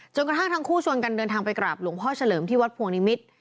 กระทั่งทั้งคู่ชวนกันเดินทางไปกราบหลวงพ่อเฉลิมที่วัดพวงนิมิตร